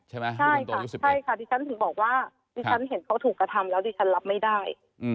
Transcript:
ใช่ค่ะที่ฉันถึงบอกว่าที่ฉันเห็นเขาถูกกระทำแล้วที่ฉันรับไม่ได้